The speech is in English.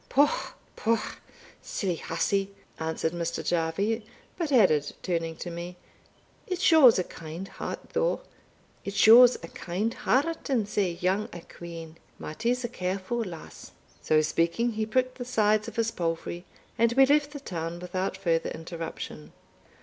"Pooh! pooh! silly hussy," answered Mr. Jarvie; but added, turning to me, "it shows a kind heart though it shows a kind heart in sae young a quean Mattie's a carefu' lass." So speaking, he pricked the sides of his palfrey, and we left the town without farther interruption.